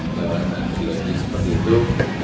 untuk stereology seperti itu